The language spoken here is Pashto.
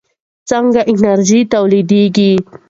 څنګه انرژي تولیدېږي؟